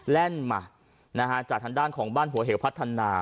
แล่นมาจากทางด้านของบ้านหัวเหวพัฒนา